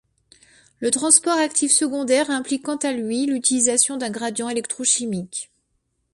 Le transport actif secondaire implique quant à lui l'utilisation d'un gradient électrochimique.